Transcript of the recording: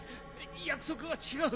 約束が違う。